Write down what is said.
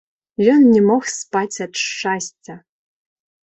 Ён не мог спаць ад шчасця.